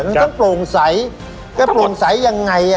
นั้นต้องโปร่งใส่ก็โปร่งใส่ยังไงอ่ะ